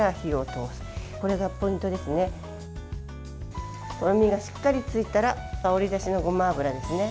とろみがしっかりついたら香り出しのごま油ですね。